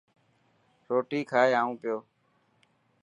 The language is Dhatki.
روٽي کائي اون پيو.